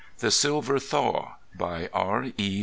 The Silver Thaw By R. E.